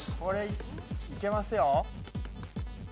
これいけますよ。